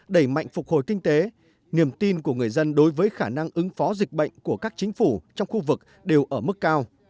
đẩy mạnh phục hồi kinh tế niềm tin của người dân đối với khả năng ứng phó dịch bệnh của các chính phủ trong khu vực đều ở mức cao